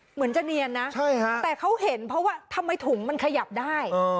เหมือนจะเนียนนะแต่เขาเห็นเพราะว่าทำไมถุงมันขยับได้